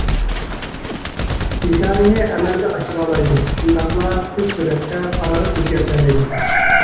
نىشاننى ئەمەلگە ئاشۇرالايدۇ، شۇنداقلا تېز سۈرئەتتە قارار ئۆزگەرتەلەيدۇ.